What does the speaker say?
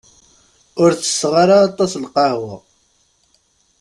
Ur tesseɣ ara aṭas lqahwa.